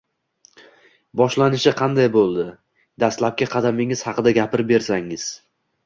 Boshlanishi qanday boʻldi, dastlabki qadamingiz haqida gapirib bersangiz?